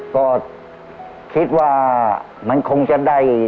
ก็คิดว่ามันคงจะได้